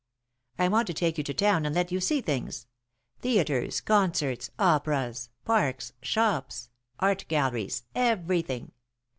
"I want to take you to town and let you see things. Theatres, concerts, operas, parks, shops, art galleries, everything.